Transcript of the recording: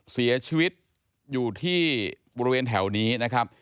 เสียชีวิตอยู่ที่บริเวณแถวนี้นะครับ